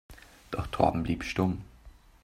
Doch Torben blieb stumm.